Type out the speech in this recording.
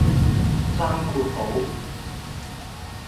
閂括號